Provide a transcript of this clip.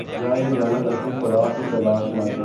جہاں یہ جانور اپنی خوراک کی تلاش میں آتے ہیں